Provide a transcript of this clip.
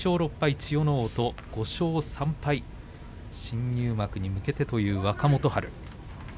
千代ノ皇と５勝３敗、新入幕に向けてという若元春。